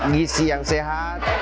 gisi yang sehat